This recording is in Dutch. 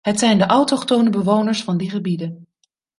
Het zijn de autochtone bewoners van die gebieden.